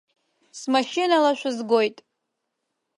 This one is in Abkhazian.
Смашьынала шәызгоит.